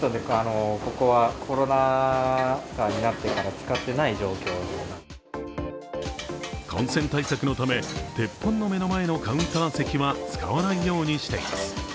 感染対策のため、鉄板の目の前のカウンター席は使わないようにしています。